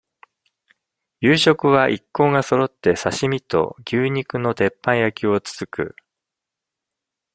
夕食は、一行がそろって、刺身と、牛肉の鉄板焼きをつつく。